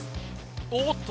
おっと！